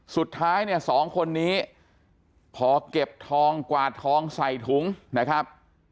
สุดท้ายเนี่ยสองคนนี้พอเก็บทองกวาดทองใส่ถุงนะครับ